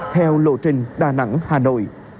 theo lộ trình đà nẵng hà nội